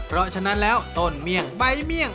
เพราะฉะนั้นแล้วต้นเมี่ยงใบเมี่ยง